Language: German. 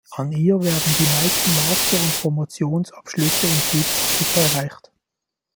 An ihr werden die meisten Master- und Promotions-Abschlüsse in Südafrika erreicht.